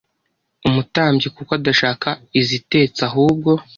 umutambyi kuko adashaka izitetse ahubwo